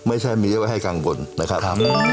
ไม่ใช่มีเยอะไว้ให้กังวลนะครับ